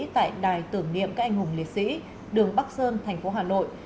tại đài tưởng niệm các anh hùng liệt sĩ đường bắc sơn tp hà nội